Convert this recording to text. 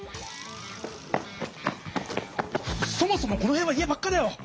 そもそもこのへんは家ばっかだよ！